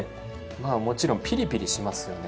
まあもちろんピリピリしますよね